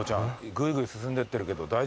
ぐいぐい進んでってるけど大丈夫？